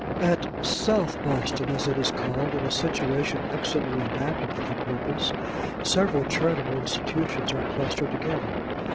At SOUTH BOSTON, as it is called, in a situation excellently adapted for the purpose, several charitable institutions are clustered together.